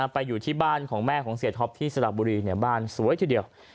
ไปอยู่ที่บ้านของแม่ของเสียท็อปที่สระบุรีบ้านสวยทีเดียว